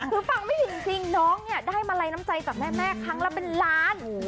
คือฟังไม่จริงน้องเนี่ยได้มาลัยน้ำใจจากแม่ครั้งละเป็นล้าน